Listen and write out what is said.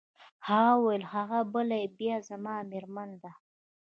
هغه وویل: هغه بله يې بیا زما مېرمن ده.